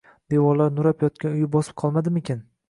Devorlari nurab yotgan uyi bosib qolmadimikin?